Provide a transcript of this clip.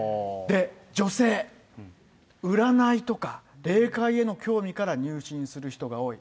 女性、占いとか、霊界への興味から入信する人が多い。